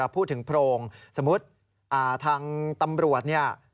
พูดถึงโพรงสมมุติทางตำรวจ